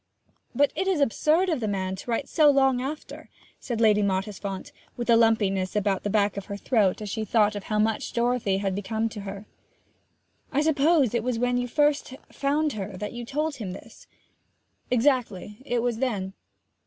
'But it is absurd of the man to write so long after!' said Lady Mottisfont, with a lumpiness about the back of her throat as she thought how much Dorothy had become to her. 'I suppose it was when you first found her that you told him this?' 'Exactly it was then.'